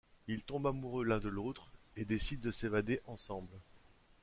Ils tombent amoureux l'un de l'autre, et décident de s'évader ensemble.